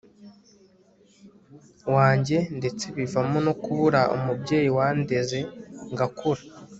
wanjye ndetse bivamo no kubura umubyeyi wandeze ngakura